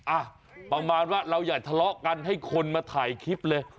อ่ะประมาณว่าเราอย่าทะเลาะกันให้คนมาถ่ายคลิปเลย